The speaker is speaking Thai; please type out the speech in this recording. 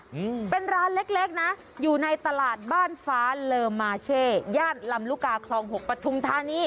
อืมเป็นร้านเล็กเล็กนะอยู่ในตลาดบ้านฟ้าเลอมาเช่ย่านลำลูกกาคลองหกปทุมธานี